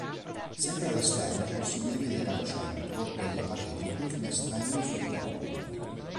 Sempre all'esterno è possibile vedere al centro delle pareti due finestrelle su due ordini.